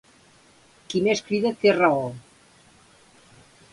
Qui més crida té raó.